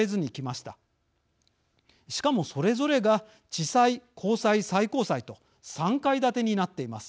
しかもそれぞれが地裁高裁最高裁と３階建てになっています。